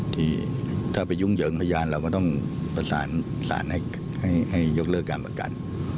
ที่ถ้าไปยุ่งเหยิงพยานเราก็ต้องประสานสารให้ยกเลิกการประกัน